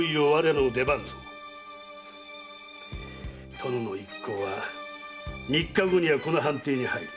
殿の一行は三日後にはこの藩邸に入る。